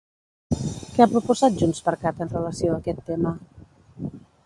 Què ha proposat JxCat en relació a aquest tema?